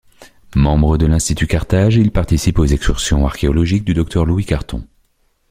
Membre de l'Institut de Carthage, il participe aux excursions archéologiques du docteur Louis Carton.